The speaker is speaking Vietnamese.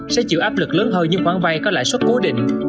sẽ chịu áp lực lớn hơn như khoản vay có lãi xuất cố định